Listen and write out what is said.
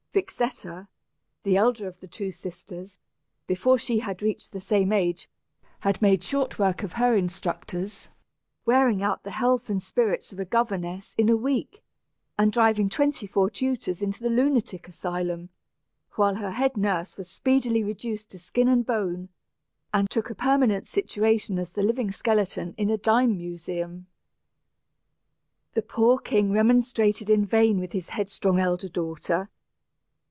Vixetta, the elder of the two sisters, before she had reached the same age, had made short work of her instructors, wearing out the health and spirits of a governess in a week, and driving twenty four tutors into the lunatic asylum, while her head nurse was speedily reduced to skin and bone, and took a permanent situation as the living skeleton in a dime museum. The poor king remonstrated in vain with his headstrong elder daughter.